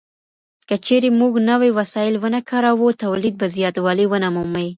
که چيرې موږ نوي وسايل ونه کاروو توليد به زياتوالی ونه مومي.